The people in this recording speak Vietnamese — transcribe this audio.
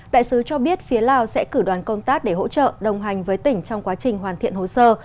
đại sứ cho biết phía lào sẽ cử đoàn công tác để hỗ trợ đồng hành với tỉnh trong quá trình hoàn thiện hồ sơ